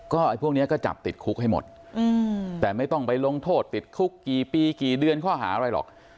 ไอ้พวกนี้ก็จับติดคุกให้หมดแต่ไม่ต้องไปลงโทษติดคุกกี่ปีกี่เดือนข้อหาอะไรหรอก